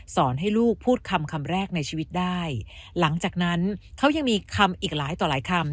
ให้ลูกพูดคำคำแรกในชีวิตได้หลังจากนั้นเขายังมีคำอีกหลายต่อหลายคำ